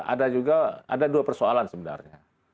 ada juga ada dua persoalan sebenarnya